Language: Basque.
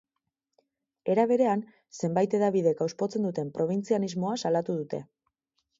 Era berean, zenbait hedabidek auspotzen duten probintzianismoa salatu dute.